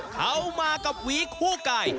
เขามากับหวีคู่ไก่